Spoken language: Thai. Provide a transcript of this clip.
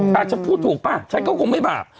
มักจะพูดถูกป้ะฉันก็คงไม่บาป